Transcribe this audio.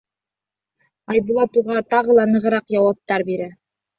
Айбулат уға тағы ла нығыраҡ яуаптар бирә.